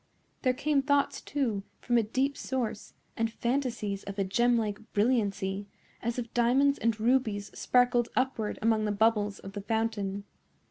There came thoughts, too, from a deep source, and fantasies of a gemlike brilliancy, as if diamonds and rubies sparkled upward among the bubbles of the fountain.